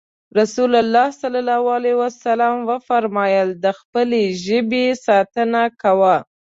رسول الله ص وفرمايل د خپلې ژبې ساتنه کوه.